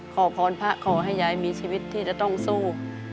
ขอพรพระขอให้ยายมีชีวิตที่จะต้องสู้